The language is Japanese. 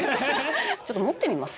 ちょっと持ってみます？